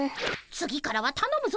次からはたのむぞ！